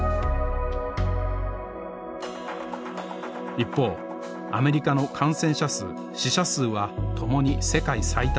一方アメリカの感染者数死者数はともに世界最多となりました。